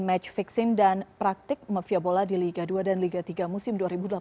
dan match vixen dan praktik mafia bola di liga dua dan liga tiga musim dua ribu delapan belas